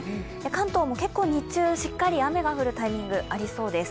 関東も結構、日中しっかり雨が降るタイミングありそうです。